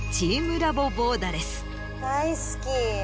大好き。